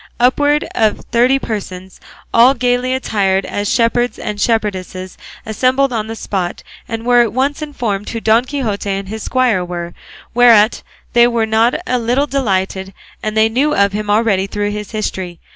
Upwards of thirty persons, all gaily attired as shepherds and shepherdesses, assembled on the spot, and were at once informed who Don Quixote and his squire were, whereat they were not a little delighted, as they knew of him already through his history.